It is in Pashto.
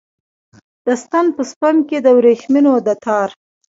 د ستن په سپم کې د وریښمو د تار